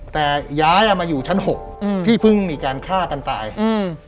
แต่ย้ายอ่ะมาอยู่ชั้นหกอืมที่เพิ่งมีการฆ่ากันตายอืม